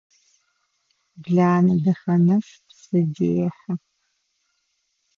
Бланэ Дахэнэф псы дехьы.